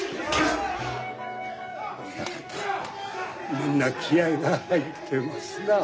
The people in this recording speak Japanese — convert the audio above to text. みんな気合いが入ってますな。